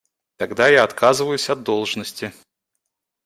Тогда я отказываюсь от должности.